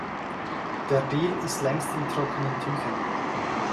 Der Deal ist längst in trockenen Tüchern.